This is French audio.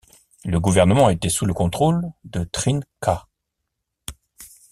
Le gouvernement était sous le contrôle de Trinh Kha.